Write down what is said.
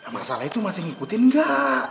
masalah itu masih ngikutin nggak